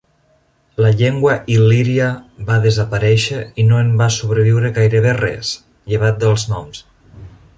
La llengua il·líria va desaparèixer i no en va sobreviure gairebé res, llevat dels noms.